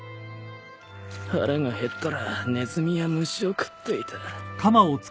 腹が減ったらネズミや虫を食っていた